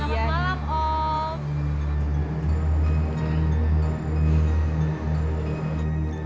selamat malam om